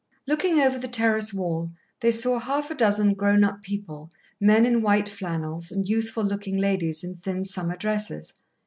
Looking over the terrace wall they saw half a dozen grown up people, men in white flannels, and youthful looking ladies in thin summer dresses.